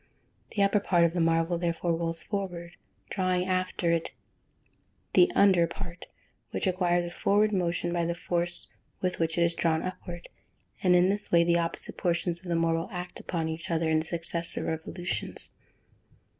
The upper part of the marble, therefore, rolls forward, drawing after it the under part, which acquires a forward motion by the force with which it is drawn upward, and in this way the opposite portions of the marble act upon each other in the successive revolutions.